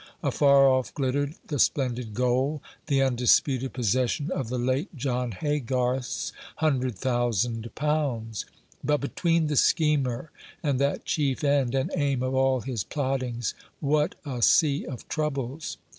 Afar off glittered the splendid goal the undisputed possession of the late John Haygarth's hundred thousand pounds; but between the schemer and that chief end and aim of all his plottings what a sea of troubles!